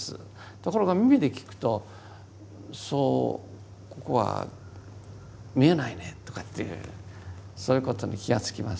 ところが耳で聞くとそうここは見えないねとかというそういうことに気が付きます。